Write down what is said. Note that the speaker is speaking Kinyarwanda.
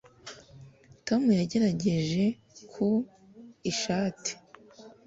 Tom yagerageje ku ishati